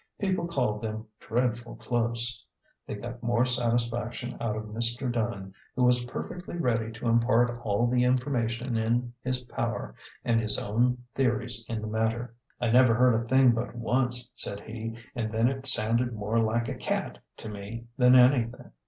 People called them " dreadful close." They got more satisfaction out of Mr. Dunn, who was perfectly ready to impart all the information in his power and his own theories in the matter. " I never heard a thing but once," said he, " an' then it sounded more like a cat to me than anything.